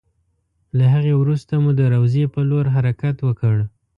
له هغې وروسته مو د روضې په لور حرکت وکړ.